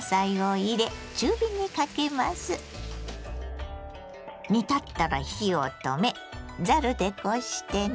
煮立ったら火を止めざるでこしてね。